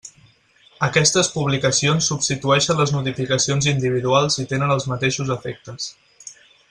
Aquestes publicacions substitueixen les notificacions individuals i tenen els mateixos efectes.